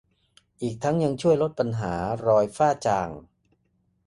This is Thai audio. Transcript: อีกทั้งยังช่วยลดปัญหารอยฝ้าจาง